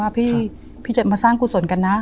พี่จะมาสร้างคุณส่วนกันนะ